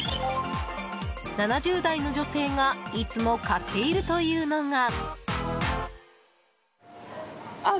７０代の女性がいつも買っているというのが。